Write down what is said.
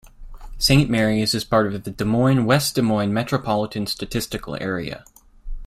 Saint Marys is part of the Des Moines-West Des Moines Metropolitan Statistical Area.